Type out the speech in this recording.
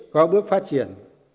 có bước phát triển